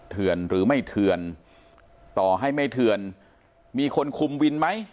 เถื่อนหรือไม่เถื่อนต่อให้ไม่เถื่อนมีคนคุมวินไหม